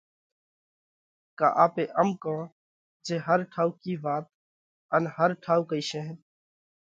ڪا آپي ام ڪون جي ھر ٺائُوڪِي وات ان ھر ٺائُوڪئي شينھ